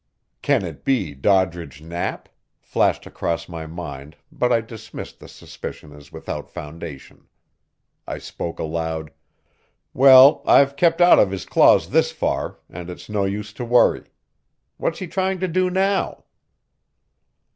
"Can it be Doddridge Knapp?" flashed across my mind but I dismissed the suspicion as without foundation. I spoke aloud: "Well, I've kept out of his claws this far, and it's no use to worry. What's he trying to do now?"